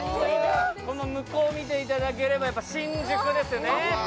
この向かうを見ていただければ新宿ですよね。